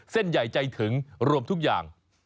เส้นใหญ่ใจถึงรวมทุกอย่าง